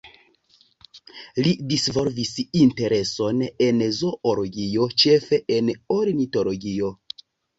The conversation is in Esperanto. Li disvolvis intereson en zoologio, ĉefe en ornitologio.